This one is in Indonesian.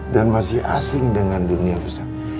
dan masih asing dengan dunia besar